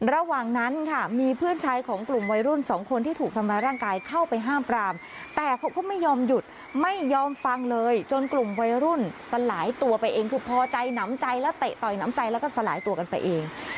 ระหว่างนั้นค่ะมีเพื่อนชายของกลุ่มวัยรุ่นสองคนที่ถูกทำร้ายร่างกายเข้าไปห้ามปรามแต่เขาก็ไม่ยอมหยุดไม่ยอมฟังเลยจนกลุ่มวัยรุ่นสลายตัวไปเองคือพอใจหนำใจและเตะต่อยน้ำใจแล้วก็สลายตัวกันไปเอง